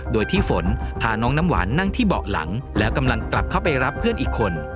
โดยที่ฝนพาน้องน้ำหวานนั่งที่เบาะหลังแล้วกำลังกลับเข้าไปรับเพื่อนอีกคน